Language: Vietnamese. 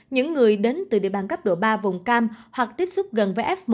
những người đến từ địa bàn cấp độ ba vùng cam hoặc tiếp xúc gần với f một